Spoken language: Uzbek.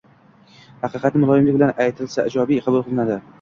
Haqiqatni muloyimlik bilan aytilsa, ijobiy qabul qilinadi.